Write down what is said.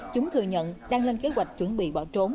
chúng thừa nhận đang lên kế hoạch chuẩn bị bỏ trốn